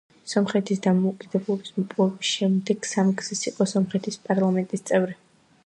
სომხეთის დამოუკიდებლობის მოპოვების შემდეგ სამგზის იყო სომხეთის პარლამენტის წევრი.